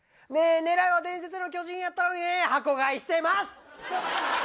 狙いは伝説の巨人やったのに箱買いしてます。